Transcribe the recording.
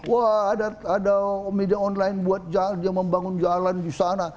wah ada media online buat dia membangun jalan di sana